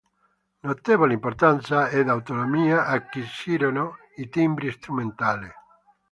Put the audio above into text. Notevole importanza ed autonomia acquisirono i timbri strumentali.